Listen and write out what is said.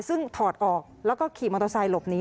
ซึ่งถอดออกแล้วก็ขี่มอเตอร์ไซค์หลบหนี